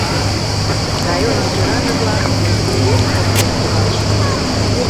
Районын тӧраже-влак, очыни, вес корно дене кудалыштыт.